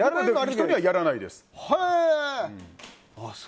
人にはやらないです。